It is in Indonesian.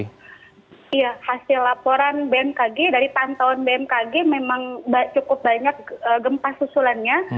iya hasil laporan bmkg dari pantauan bmkg memang cukup banyak gempa susulannya